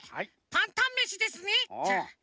パンタンめしですね。